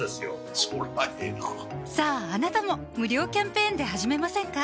そりゃええなさぁあなたも無料キャンペーンで始めませんか？